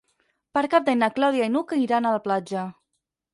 Per Cap d'Any na Clàudia i n'Hug iran a la platja.